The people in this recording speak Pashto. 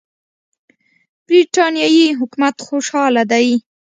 برټانیې حکومت خوشاله دی.